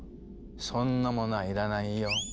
そんなものはいらないよ。